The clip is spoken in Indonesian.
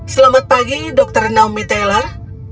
selamat pagi dr naomi taylor